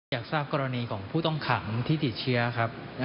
อยากทราบกรณีของผู้ต้องขังที่ติดเชื้อครับ